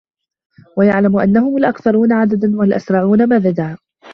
وَيَعْلَمَ أَنَّهُمْ الْأَكْثَرُونَ عَدَدًا وَالْأَسْرَعُونَ مَدَدًا